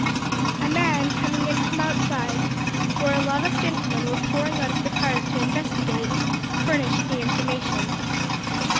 A man coming in from outside, where a lot of gentlemen were pouring out of the cars to investigate, furnished the information.